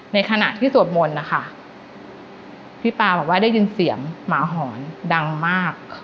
ในขณะที่สวดมนต์นะคะพี่ปาบอกว่าได้ยินเสียงหมาหอนดังมาก